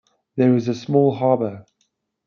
There is a small harbour.